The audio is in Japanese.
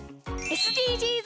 ＳＤＧｓ